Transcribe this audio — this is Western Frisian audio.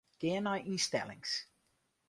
Gean nei ynstellings.